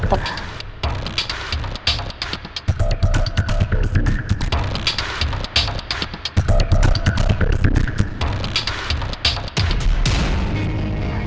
itu itu itu